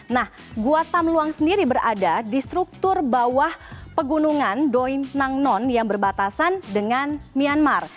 nah gua tam luang sendiri berada di struktur bawah pegunungan doi nang non yang berbatasan dengan myanmar